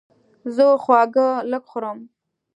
زه خواږه لږ خورم.